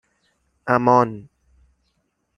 اَمان